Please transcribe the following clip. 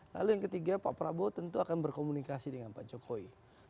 lalu yang ketiga pak prabowo tentu akan berkomunikasi dengan pak jokowi